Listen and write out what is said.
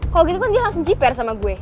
kalau gitu kan dia langsung jiper sama gue